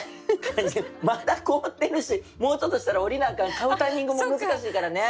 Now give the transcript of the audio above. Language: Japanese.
まだ凍ってるしもうちょっとしたら降りなあかん買うタイミングも難しいからね。